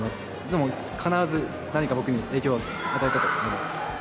でも必ず何か僕に影響は与えたと思います。